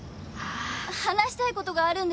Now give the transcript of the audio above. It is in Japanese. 話したいことがあるんです。